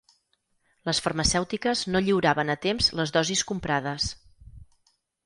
Les farmacèutiques no lliuraven a temps les dosis comprades.